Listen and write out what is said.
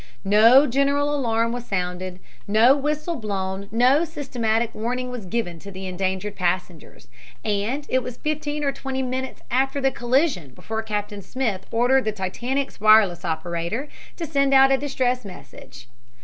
No general alarm was sounded, no whistle blown and no systematic warning was given to the endangered passengers, and it was fifteen or twenty minutes after the collision before Captain Smith ordered the Titanic's wireless operator to send out a distress message.